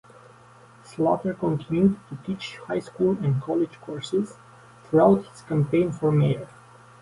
Slaughter continued to teach high school and college courses throughout his campaign for mayor.